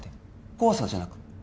怖さじゃなく？